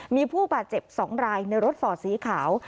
มีผู้บาดเจ็บ๒รายในรถฟอร์ดสีขาว